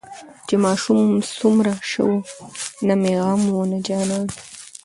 چې ماشوم وم سومره شه وو نه مې غم وو نه جانان.